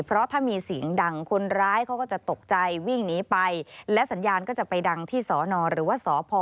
เพราะถ้ามีเสียงดังคนร้ายเขาก็จะตกใจวิ่งหนีไปและสัญญาณก็จะไปดังที่สอนอหรือว่าสพ